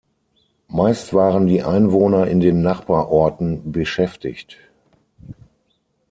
Meist waren die Einwohner in den Nachbarorten beschäftigt.